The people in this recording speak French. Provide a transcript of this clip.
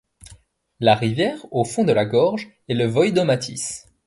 La rivière au fond de la gorge est le Voïdomatis.